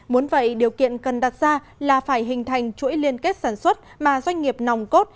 muốn vậy điều kiện cần đặt ra là phải hình thành chuỗi liên kết sản xuất mà doanh nghiệp nòng cốt